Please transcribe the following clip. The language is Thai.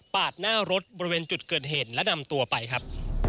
หน้ารถบริเวณจุดเกิดเหตุและนำตัวไปครับ